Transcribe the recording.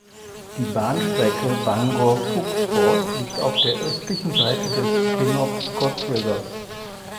Die Bahnstrecke Bangor–Bucksport liegt auf der östlichen Seite des Penobscot Rivers.